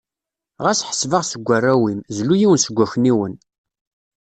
Ɣas ḥseb-aɣ seg warraw-im, zlu yiwen seg wakniwen.